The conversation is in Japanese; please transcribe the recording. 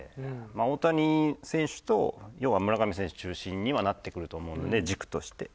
大谷選手と要は村上選手中心にはなってくると思うので軸として。